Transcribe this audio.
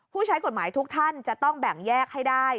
ใช้กฎหมายทุกท่านจะต้องแบ่งแยกให้ได้